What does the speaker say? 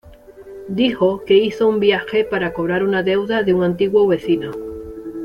Dijo que hizo un viaje para cobrar una deuda de un antiguo vecino.